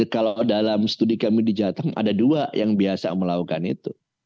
kalau dalam studi kami di jateng ada dua yang biasa melakukan itu